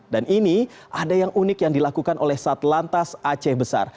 dan ini ada yang unik yang dilakukan oleh sat lantas aceh besar